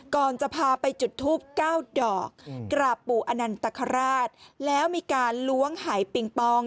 ก่อนจะพาไปจุดทูปเก้าดอกกราบปู่อนันตคราชแล้วมีการล้วงหายปิงปอง